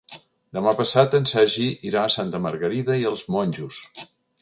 Demà passat en Sergi irà a Santa Margarida i els Monjos.